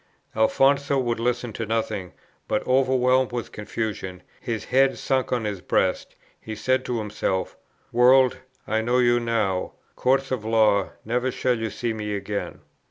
Alfonso would listen to nothing, but, overwhelmed with confusion, his head sunk on his breast, he said to himself, 'World, I know you now; courts of law, never shall you see me again!'